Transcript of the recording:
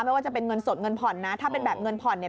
ไม่ว่าจะเป็นเงินสดเงินผ่อนนะถ้าเป็นแบบเงินผ่อนเนี่ย